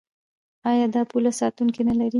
آیا دا پوله ساتونکي نلري؟